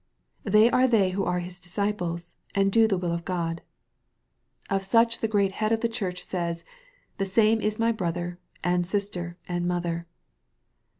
They are they who are His disciples, and " do the will of God." Of such the great Head of the Church says, " the same is my brother, and sister, and mother."